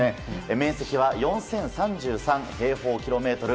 面積は４０３３平方キロメートル。